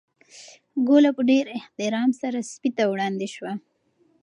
ګوله په ډېر احترام سره سپي ته وړاندې شوه.